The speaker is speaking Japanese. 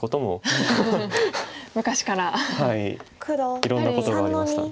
いろんなことがありました。